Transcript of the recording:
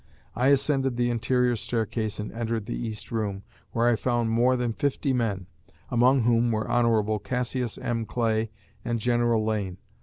I ascended the interior staircase and entered the East room, where I found more than fifty men, among whom were Hon. Cassius M. Clay and General Lane.